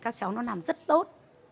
các cháu nó làm rất tốt